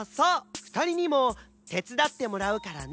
ふたりにもてつだってもらうからね！